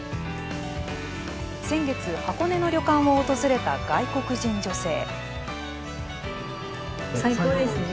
先月、箱根の旅館を訪れた外国人女性。